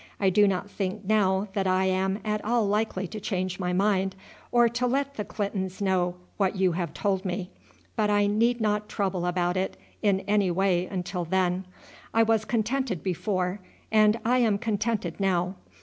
I do not think now that I am at all likely to change my mind, or to let the Clintons know what you have told me; but I need not trouble about it in any way until then. I was contented before, and I am contented now.